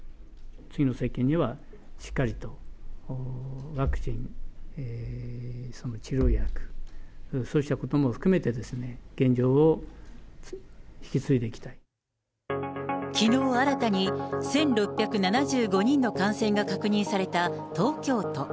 次の政権には、しっかりとワクチン、治療薬、そうしたことも含めて、きのう新たに、１６７５人の感染が確認された東京都。